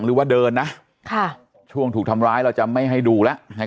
หรือว่าเดินนะช่วงถูกทำร้ายเราจะไม่ให้ดูแล้วให้